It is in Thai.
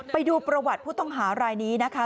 ไปดูประวัติผู้ต้องหารายนี้นะคะ